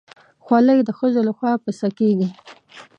خولۍ د ښځو لخوا پسه کېږي.